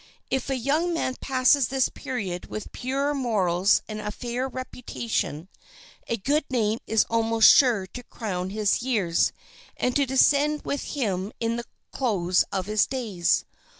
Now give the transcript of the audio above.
If a young man passes this period with pure morals and a fair reputation, a good name is almost sure to crown his years and to descend with him to the close of his days.